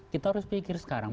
kita harus pikir sekarang